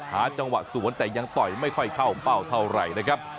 หาจังหวะสวนแต่ยังต่อยไม่ค่อยเข้าเป้าเท่าไหร่นะครับ